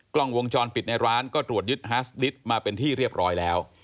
กล้องวงจรปิดในร้านก็ตรวจยึดฮาสดิตมาเป็นที่เรียบร้อยแล้ว